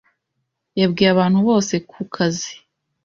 Yabwiye abantu bose ku kazi.